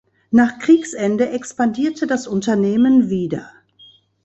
Nach Kriegsende expandierte das Unternehmen wieder.